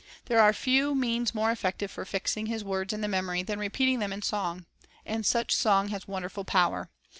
There are few means more effective for fixing His words in the memory than repeating them in song. And such song has wonderful power.